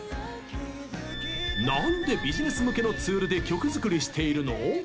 なんでビジネス向けのツールで曲作りしているの？